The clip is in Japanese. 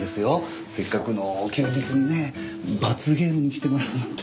せっかくの休日にね罰ゲームに来てもらうなんて。